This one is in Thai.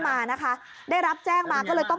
มานะคะได้รับแจ้งมาก็เลยต้อง